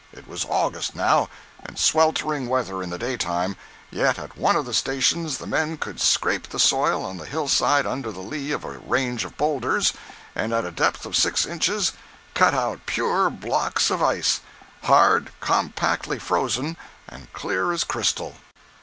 It was August, now, and sweltering weather in the daytime, yet at one of the stations the men could scape the soil on the hill side under the lee of a range of boulders, and at a depth of six inches cut out pure blocks of ice—hard, compactly frozen, and clear as crystal!